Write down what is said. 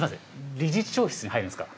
理事長室に入るんですか？